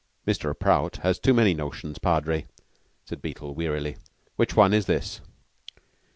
"Mr. Prout has so many notions, Padre," said Beetle wearily. "Which one is this?"